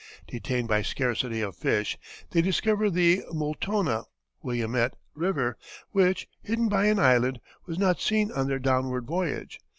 Detained by scarcity of fish, they discovered the Multonah (Willamette) River which, hidden by an island, was not seen on their downward voyage.